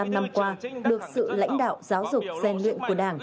bảy mươi năm năm qua được sự lãnh đạo giáo dục gian luyện của đảng